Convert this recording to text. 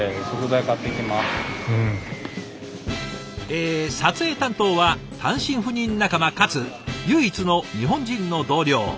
え撮影担当は単身赴任仲間かつ唯一の日本人の同僚。